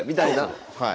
はい。